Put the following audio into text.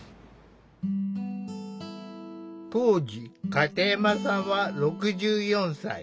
当時片山さんは６４歳。